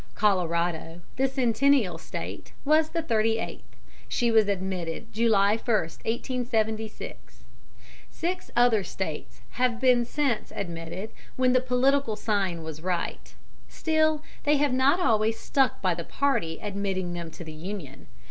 Colorado, the Centennial State, was the thirty eighth. She was admitted July 1, 1876. Six other States have been since admitted when the political sign was right. Still, they have not always stuck by the party admitting them to the Union.